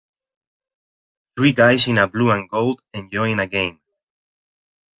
Three guys in blue and gold enjoying a game.